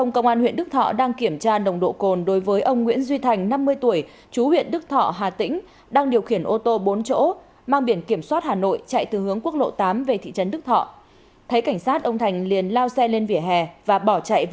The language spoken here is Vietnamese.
qua kiểm tra ông nguyễn duy thành có nồng độ cồn hai trăm chín mươi tám mg trên một lít khí thở